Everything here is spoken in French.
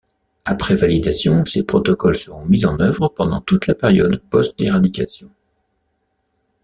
Après validations, ces protocoles seront mis en œuvre pendant toute la période post éradication.